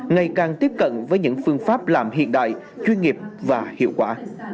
ngày càng tiếp cận với những phương pháp làm hiện đại chuyên nghiệp và hiệu quả